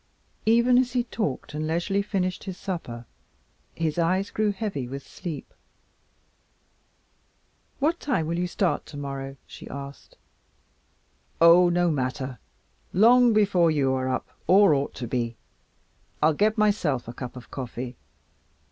Even as he talked and leisurely finished his supper, his eyes grew heavy with sleep. "What time will you start tomorrow?" she asked. "Oh, no matter; long before you are up or ought to be. I'll get myself a cup of coffee.